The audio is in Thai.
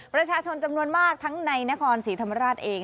ประชาชนจำนวนมากทั้งในนครศรีธรรมราชเอง